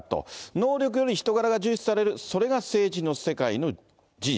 能力より人柄が重視される、それが政治の世界の事実。